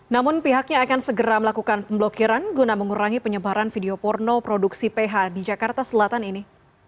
namun pihaknya akan segera melakukan pemblokiran guna mengurangi penyebaran video porno produksi ph di jakarta selatan ini